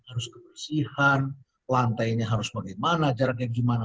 harus kebersihan lantainya harus bagaimana jaraknya gimana